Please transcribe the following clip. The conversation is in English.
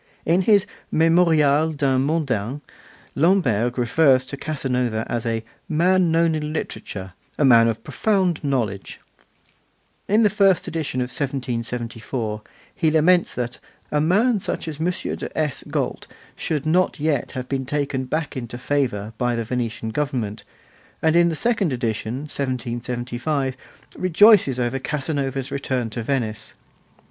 In his 'Memorial d'un Mondain' Lamberg refers to Casanova as 'a man known in literature, a man of profound knowledge.' In the first edition of 1774, he laments that 'a man such as M. de S. Galt' should not yet have been taken back into favour by the Venetian government, and in the second edition, 1775, rejoices over Casanova's return to Venice.